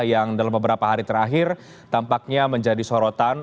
yang dalam beberapa hari terakhir tampaknya menjadi sorotan